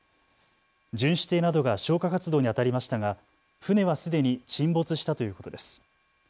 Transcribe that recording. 巡視艇などが消火活動にあたりましたが船はすでに沈没したということです。